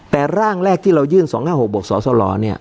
แต่ได้ร่างแรกที่เรายื่น๒๕๖บกสรซลอ